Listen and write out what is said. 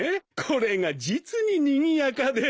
これが実ににぎやかで。